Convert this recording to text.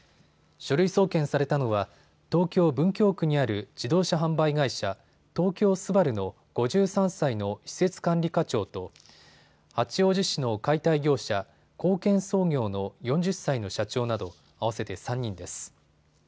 書類送検されたのは東京文京区にある自動車販売会社、東京スバルの５３歳の施設管理課長と八王子市の解体業者、興建総業の４０歳の社長など合わせて３人です。